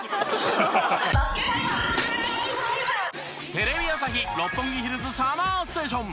テレビ朝日・六本木ヒルズＳＵＭＭＥＲＳＴＡＴＩＯＮ。